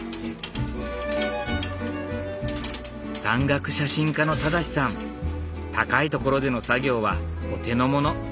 山岳写真家の正さん高い所での作業はお手のもの。